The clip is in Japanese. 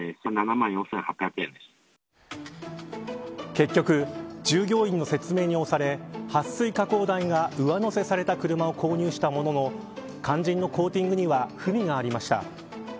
結局、従業員の説明に押されはっ水加工代が上乗せされた車を購入したものの肝心のコーティングには不備がありました。